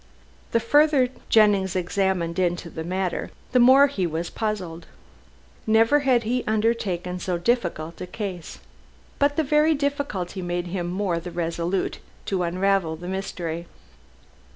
The further Jennings examined into the matter, the more he was puzzled. Never had he undertaken so difficult a case. But the very difficulty made him the more resolute to unravel the mystery.